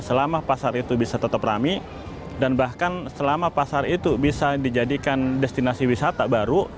selama pasar itu bisa tetap rame dan bahkan selama pasar itu bisa dijadikan destinasi wisata baru